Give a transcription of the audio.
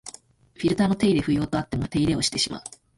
フィルターの手入れ不要とあっても手入れしてしまう